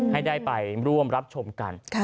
ให้ได้ไปร่วมรับชมกัน